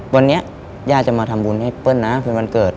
วันนี้ย่าจะมาทำบุญให้เปิ้ลนะเป็นวันเกิด